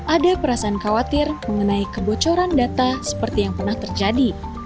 ada perasaan khawatir mengenai kebocoran data seperti yang pernah terjadi